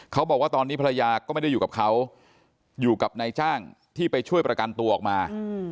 เขาบอกว่าตอนนี้ภรรยาก็ไม่ได้อยู่กับเขาอยู่กับนายจ้างที่ไปช่วยประกันตัวออกมา